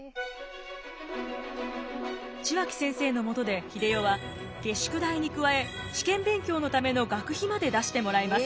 血脇先生のもとで英世は下宿代に加え試験勉強のための学費まで出してもらいます。